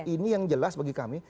ini yang jelas bagi kami